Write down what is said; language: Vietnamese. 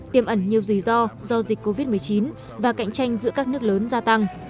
tiêm ẩn nhiều rủi ro do dịch covid một mươi chín và cạnh tranh giữa các nước lớn gia tăng